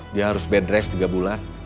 dia harus bed rest tiga bulan